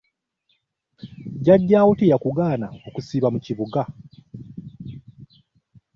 Jjajjaawo teyakugaana okusiiba mu kibuga?